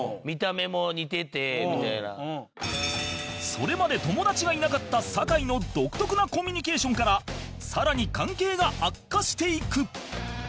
それまで友達がいなかった坂井の独特なコミュニケーションからさらに関係が悪化していく